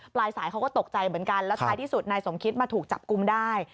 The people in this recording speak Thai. ปลายสายเขาก็ตกใจเหมือนกันแล้วท้ายที่สุดนายสมคิตมาถูกจับกลุ่มได้